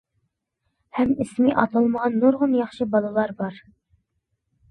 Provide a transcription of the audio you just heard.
ھەم ئىسمى ئاتالمىغان نۇرغۇن ياخشى بالىلار بار.